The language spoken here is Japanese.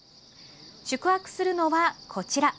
宿泊するのはこちら。